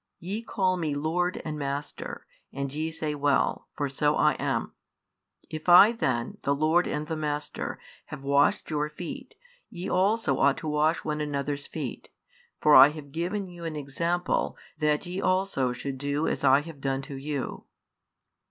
Ye call Me Lord, and Master: and ye say well; for so I am. If I then, the Lord and the Master, have washed your feet, ye also ought to wash one another's feet. For I have given you an example, that ye also should do as I have done to you.